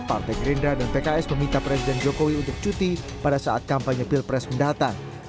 partai gerindra dan pks meminta presiden jokowi untuk cuti pada saat kampanye pilpres mendatang